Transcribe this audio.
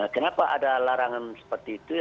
kenapa ada larangan seperti itu